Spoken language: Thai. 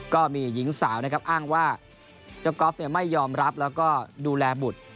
ก็มีหญิงสาวอ้างว่าเจ้ากอล์ฟไม่ยอมรับและดูแลบุตร